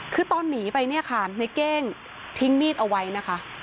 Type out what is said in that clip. คือตอนหนีไปเนี่ยค่ะในเก้งทิ้งมีดเอาไว้นะคะ